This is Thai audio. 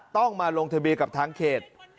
ต้องมาลงทะเบียนกับทางเขต